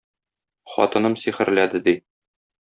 Хатыным сихерләде, ди.